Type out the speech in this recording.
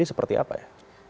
jadi seperti apa ya